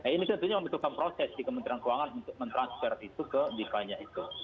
ini tentunya membutuhkan proses di kementerian keuangan untuk mentransfer itu ke depa nya itu